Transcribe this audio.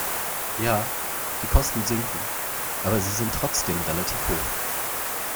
Ja, die Kosten sinken, aber sie sind trotzdem relativ hoch.